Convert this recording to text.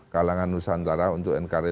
kalangan nusantara untuk nkri